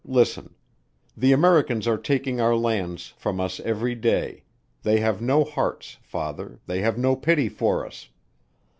"Father Listen. The Americans are taking our lands from us every day, they have no hearts, Father, they have no pity for us.